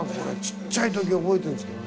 ちっちゃい時覚えてんですけど。